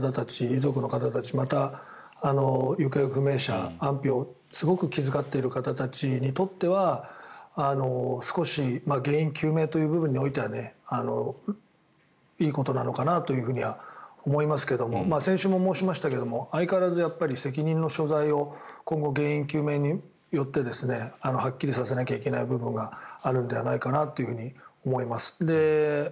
遺族の方たち、また行方不明者安否をすごく気遣っている方たちにとっては少し原因究明という部分においてはねいいことなのかなとは思いますけど先週も申しましたが相変わらず、責任の所在を今後、原因究明によってはっきりさせなきゃいけない部分があるのではないかなと思います。